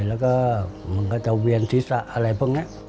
แล้วก็มันก็จะเวียนศีรษะอะไรพวกนี้